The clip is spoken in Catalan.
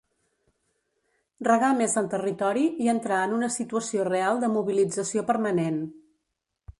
Regar més el territori i entrar en una situació real de mobilització permanent.